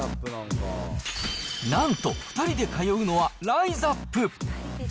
なんと、２人で通うのはライザップ。